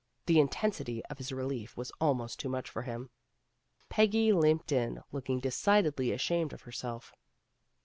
The intensity of his relief was almost too much for him. Peggy limped in, looking decidedly ashamed of herself.